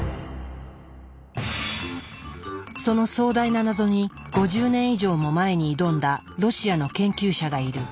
その壮大な謎に５０年以上も前に挑んだロシアの研究者がいる。